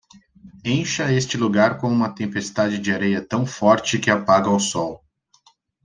Encha este lugar com uma tempestade de areia tão forte que apaga o sol.